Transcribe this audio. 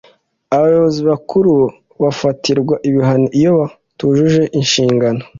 abayobozi bakuru bafatirwa ibihano iyo batujuje inshingano